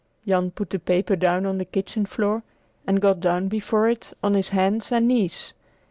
Jan put the paper down on the kitchen floor and got down before it on his hands and knees.